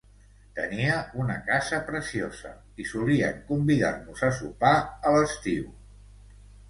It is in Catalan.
Tenia una casa preciosa i solien convidar-nos a sopar a l'estiu